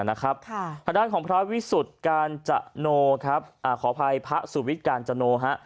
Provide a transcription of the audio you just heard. น่ะครับค่ะประดานของพระวิสุทธิ์กาญจโนครับอ่าขออภัยพระสุวิทธิ์กาญจโนฮะ